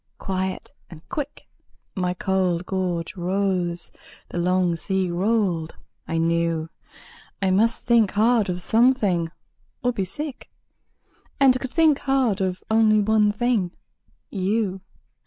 Quiet and quick My cold gorge rose; the long sea rolled; I knew I must think hard of something, or be sick; And could think hard of only one thing YOU!